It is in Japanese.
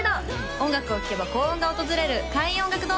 音楽を聴けば幸運が訪れる開運音楽堂